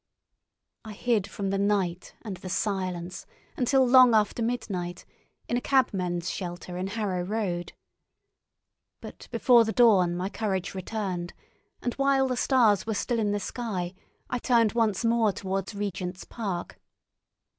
I hid from the night and the silence, until long after midnight, in a cabmen's shelter in Harrow Road. But before the dawn my courage returned, and while the stars were still in the sky I turned once more towards Regent's Park.